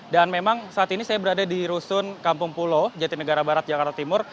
dan memang saat ini saya berada di rusun kampung pulau jatinegara barat jakarta timur